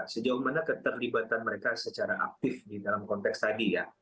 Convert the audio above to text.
sejauh mana keterlibatan mereka secara aktif di dalam konteks tadi ya